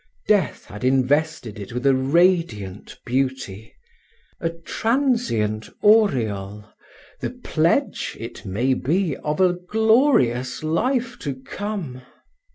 Death had invested it with a radiant beauty, a transient aureole, the pledge, it may be, of a glorious life to come.